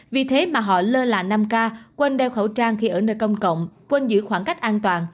vì thế mà họ lơ là năm k quên đeo khẩu trang khi ở nơi công cộng quên giữ khoảng cách an toàn